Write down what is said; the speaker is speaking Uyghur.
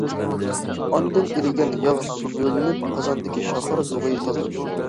ئاندىن ئېرىگەن ياغ سۈزۈۋېلىنىپ، قازاندىكى شاخار دۇغى تازىلىنىدۇ.